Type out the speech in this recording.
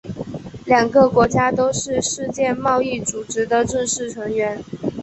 两个国家都是世界贸易组织的正式成员。